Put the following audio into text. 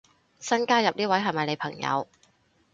新加入呢位係咪你朋友